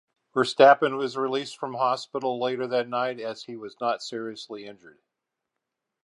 Verstappen was released from hospital later that night as he was not seriously injured.